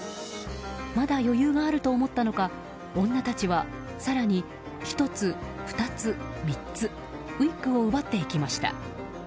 まだ余裕があると思ったのか女たちは、更に１つ、２つ、３つウィッグを奪っていきました。